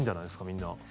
みんな。